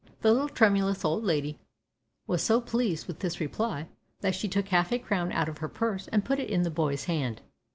The little tremulous old lady was so pleased with this reply that she took half a crown out of her purse and put it into the boy's hand.